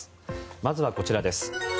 まずはこちらです。